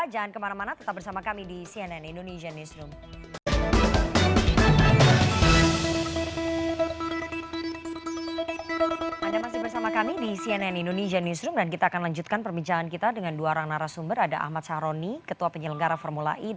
jangan kemana mana tetap bersama kami di cnn indonesian newsroom